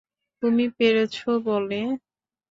তুমি পেরেছো বলে।